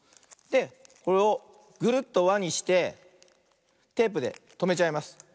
でこれをグルッとわにしてテープでとめちゃいます。